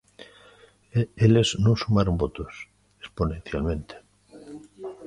Eles non sumaron votos exponencialmente.